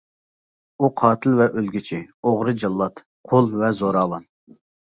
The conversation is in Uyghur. ئۇ قاتىل ۋە ئۆلگۈچى، ئوغرى جاللات، قۇل ۋە زوراۋان.